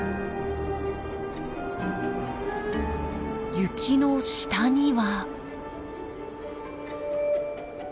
雪の下には。